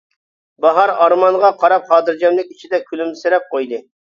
باھار ئارمانغا قاراپ خاتىرجەملىك ئىچىدە كۈلۈمسىرەپ قويدى.